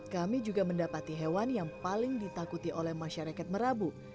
kami juga mendapati hewan yang paling ditakuti oleh masyarakat merabu